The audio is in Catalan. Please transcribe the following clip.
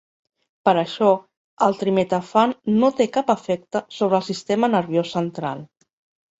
Per això, el trimetafan no té cap efecte sobre el sistema nerviós central.